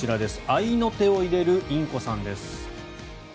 合の手を入れるインコさんです。